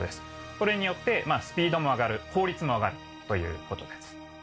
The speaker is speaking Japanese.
これによってスピードも上がる効率も上がるということです。